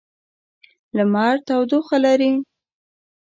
لمر تودوخه لري.